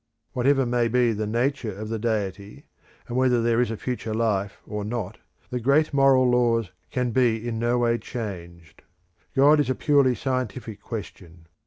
Whatever may be the nature of the Deity, and whether there is a future life or not, the great moral laws can be in no way changed. God is a purely scientific question.